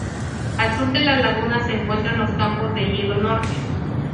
Al sur de la laguna se encuentran los Campos de Hielo Norte.